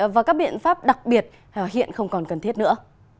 và các biện pháp đặc biệt hiện không còn cần thiết nữa